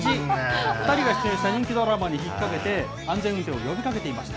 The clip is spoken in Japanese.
２人が出演した人気ドラマに引っ掛けて、安全運転を呼びかけていました。